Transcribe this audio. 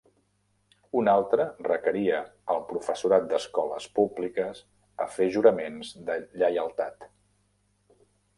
Un altre, requeria al professorat d'escoles públiques a fer juraments de lleialtat.